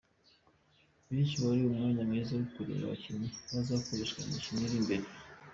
Bityo wari umwanya mwiza wo kureba abakinnyi bazakoreshwa mu mikino iri imbere.